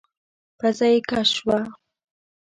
پزه يې کش شوه.